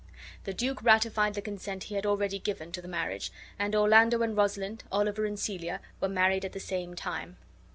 The duke ratified the consent he had already given to the marriage; and Orlando and Rosalind, Oliver and Celia, were married at the same time.